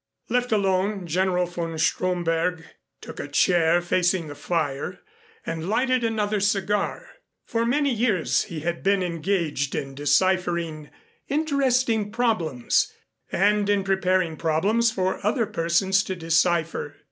Left alone, General von Stromberg took a chair facing the fire, and lighted another cigar. For many years he had been engaged in deciphering interesting problems and in preparing problems for other persons to decipher.